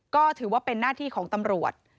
ก็ถือว่าเป็นหน้าที่ของตำรวจ